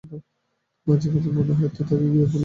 মাঝে মাঝেই মনে হতো তাঁকে গিয়ে বলি, চলো, এখনই তোমাকে বিয়ে করব।